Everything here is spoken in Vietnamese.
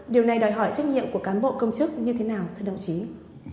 điều này đòi hỏi trách nhiệm của cán bộ công chức như thế nào thưa đồng chí